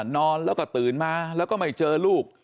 นอนแล้วก็ตื่นมาแล้วก็ไม่เจอลูก